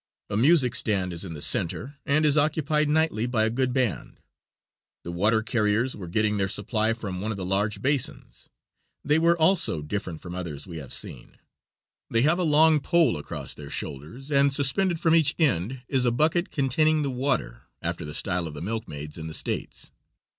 A music stand is in the center and is occupied nightly by a good band. The water carriers were getting their supply from one of the large basins; they were also different from others we have seen. They have a long pole across their shoulders, and suspended from each end is a bucket containing the water, after the style of the milkmaids in the States.